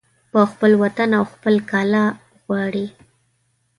په خپل وطن او خپل کاله غواړي